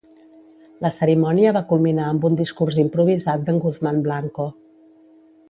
La cerimònia va culminar amb un discurs improvisat d'en Guzmán Blanco.